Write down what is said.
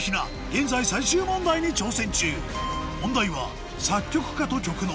現在最終問題に挑戦中問題はというもの